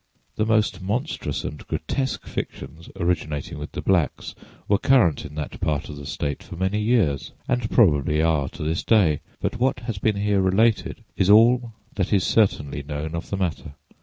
The most monstrous and grotesque fictions, originating with the blacks, were current in that part of the State for many years, and probably are to this day; but what has been here related is all that is certainly known of the matter.